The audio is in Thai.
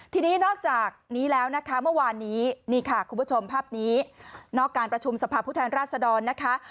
ทีนี้นอกจากนี้แล้วนะคะเมื่อวานนี้นี่ค่ะคุณผู้ชมภาพนี้นอกการประชุมสภาพผู้แทนราชดรนะคะ